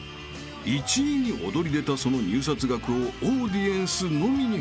［１位に躍り出たその入札額をオーディエンスのみに発表］